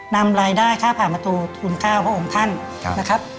นำรายได้ค่าผ่านประตูทุน๙พระองค์ท่านนะครับ